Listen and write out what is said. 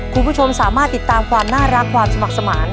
คุณผู้ชมสามารถติดตามความน่ารักความสมัครสมาน